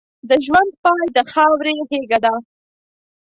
د ژوند پای د خاورې غېږه ده.